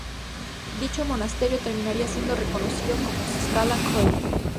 Dicho monasterio terminaría siendo conocido como Scala Coeli.